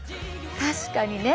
確かにね。